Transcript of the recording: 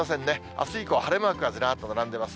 あす以降、晴れマークがずらっと並んでいます。